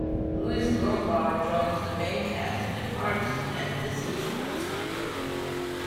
Louise Lombard joins the main cast, and departs at the seasons conclusion.